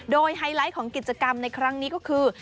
โดยไฮไลท์ของกิจกรรมในครั้งนี้ก็คือ